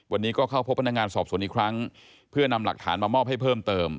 วันนี้ก็เข้าพบพนักงานสอบสวนอีกครั้งเพื่อนำหลักฐานมามอบให้เพิ่มเติม